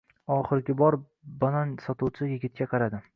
Oxirgi bor banan sotuvchi yigitga qaradi.